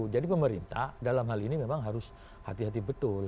jadi pemerintah dalam hal ini memang harus hati hati betul